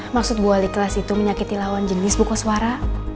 maksud bu wali kelas itu menyakiti lawan jenis bu koswara